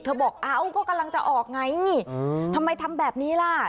บอกเอ้าก็กำลังจะออกไงทำไมทำแบบนี้ล่ะ